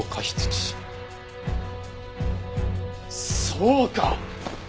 そうか！